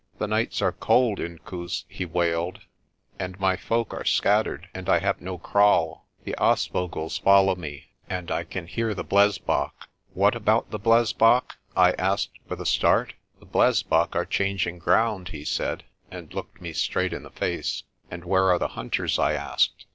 "The nights are cold, Inkoos," he wailed, "and my folk are scattered, and I have no kraal. The aasvogels follow me, and I can hear the blesbok." * Hemp. t Great Chief. 90 PRESTER JOHN "What about the blesbok?' I asked with a start. "The blesbok are changing ground," he said, and looked me straight in the face. "And where are the hunters?' 1 I asked.